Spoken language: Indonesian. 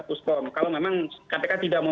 puspon kalau memang kpk tidak mau